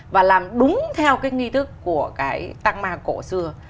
và làm đúng theo cái nghi thức của cái tang ma cổ xưa